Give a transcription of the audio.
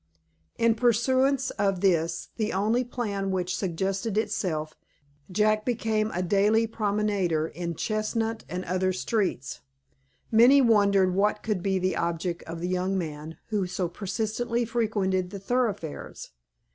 In pursuance of this, the only plan which suggested itself, Jack became a daily promenader in Chestnut and other streets. Many wondered what could be the object of the young man who so persistently frequented the thoroughfares.